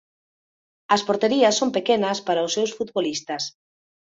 As porterías son pequenas para os seus futbolistas.